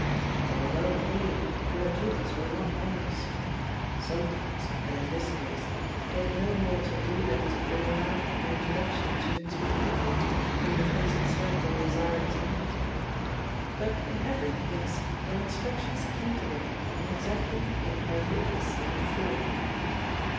They were well paid and their duties were not onerous. Sometimes, as in this case, they had no more to do than to bring about an introduction between two people whom the Crimson Circle desired to meet, but in every case their instructions came to them in exactly in every the same form.